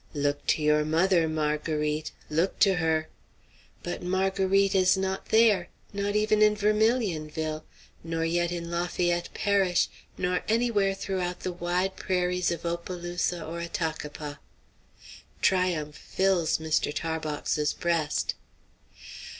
Look to your mother, Marguerite; look to her! But Marguerite is not there, not even in Vermilionville; nor yet in Lafayette parish; nor anywhere throughout the wide prairies of Opelousas or Attakapas. Triumph fills Mr. Tarbox's breast.